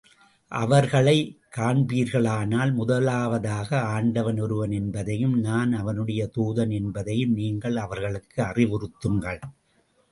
அவர்களைக் காண்பீர்களானால், முதலாவதாக, ஆண்டவன் ஒருவன் என்பதையும், நான் அவனுடைய தூதன் என்பதையும், நீங்கள் அவர்களுக்கு அறிவுறுத்துங்கள்.